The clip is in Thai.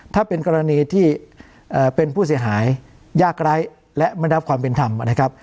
ถ้าเป็นกรณีที่เป็นผู้เสียหายยากไร้และไม่ได้รับความเป็นธรรมนะครับ